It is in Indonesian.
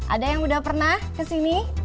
ada yang sudah pernah ke sini